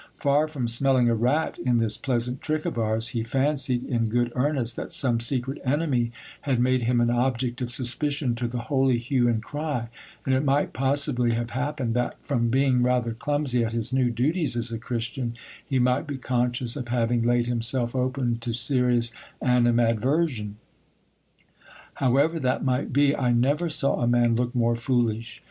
Far from smelling a rat in this pleasant trick of ours, he fancied in good earnest that some secret enemy had made him an object of suspicion to the holy hue and cry ; and it might possibly have happened that, from being rather clumsy at his new duties as a Christian, he might be conscious of having laid himself open to serious animadversion. However that might be, I never saw a man look more foolish.